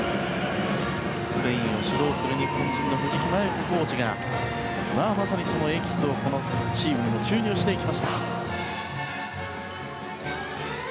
スペインを指導する日本人の藤木麻祐子コーチがまさにそのエキスをチームに注入していきました。